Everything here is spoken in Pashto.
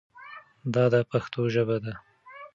دا د پښتو ژبه ده.